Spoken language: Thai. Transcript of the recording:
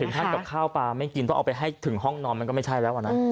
ท่านกับข้าวปลาไม่กินต้องเอาไปให้ถึงห้องนอนมันก็ไม่ใช่แล้วนะ